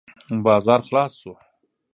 بازار خلاص شو.